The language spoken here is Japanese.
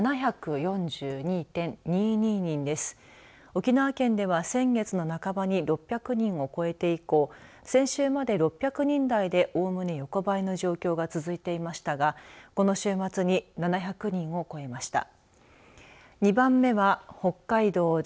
沖縄県では先月の半ばに６００人を超えて以降、先週まで６００人台でおおむね横ばいの状況が続いていましたが、この週末に７００人を超えました。